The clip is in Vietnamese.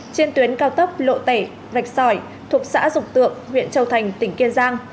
trên tuyến cao tấp lộ tể rạch sỏi thuộc xã dục tượng huyện châu thành tỉnh kiên giang